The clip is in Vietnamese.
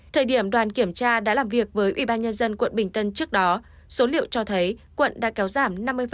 thời điểm đoàn kiểm tra đã làm việc với ubnd quận bình tân trước đó số liệu cho thấy quận đã kéo giảm